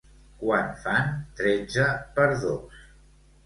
Quant fan tretze per dos.